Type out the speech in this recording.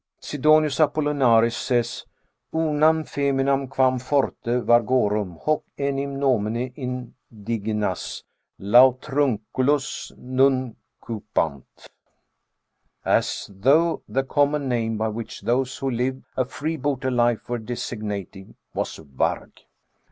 Sidonius Apollinaris says, "Unam feminam quam forte vargorum, hoc enim nomine indigenas latrunculos nuncupant,"* as though the common name by which those who lived a freebooter life were designated, was varg.